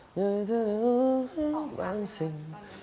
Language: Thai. เหนื่อยเท่าไหร่มีบางสิ่ง